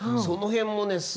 その辺もね